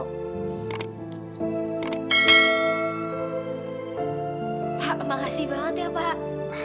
pak makasih banget ya pak